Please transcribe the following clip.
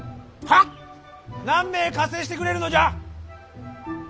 何名加勢してくれるのじゃ。